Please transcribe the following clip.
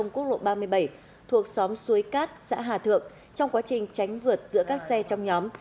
một trăm bốn mươi chín một trăm linh quốc lộ ba mươi bảy thuộc xóm suối cát xã hà thượng trong quá trình tránh vượt giữa các xe trong nhóm